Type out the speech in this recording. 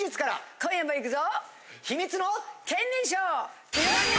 今夜もいくぞ。